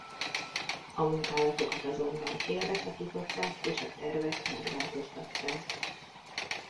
A munkálatokat azonban félbeszakították és a tervet megváltoztatták.